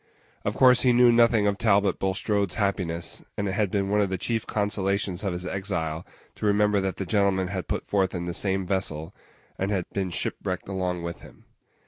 Of course he knew nothing of Talbot Bulstrode's happiness, and it had been one of the chief consolations of his exile to remember that that gentleman had put forth in the same vessel, and had been shipwrecked along with him.